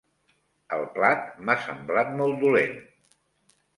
El plat m'ha semblat molt dolent.